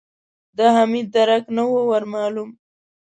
د حميد درک نه و ور مالوم.